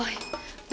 oh siapa nih siapa